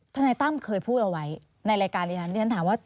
ทนายตั้มเคยพูดเอาไว้ในรายการที่ฉันถามว่า